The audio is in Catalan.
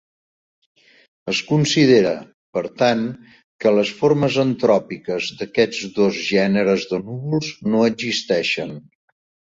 Es considera, per tant, que les formes antròpiques d'aquests dos gèneres de núvols no existeixen.